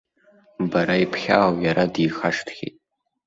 Бара ибхьаау, иара дихашҭхьеит.